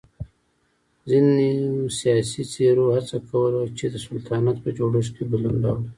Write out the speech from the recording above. ځینو سیاسی څېرو هڅه کوله چې د سلطنت په جوړښت کې بدلون راولي.